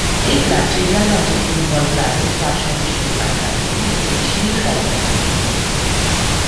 এই ক্লাবটি Real Madrid football ক্লাবের ক্লাব সদস্যদের মালিকানাধীন এবং এটি সীমিত দায় কোম্পানির মতোই।